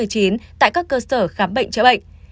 trong và ngoài công lập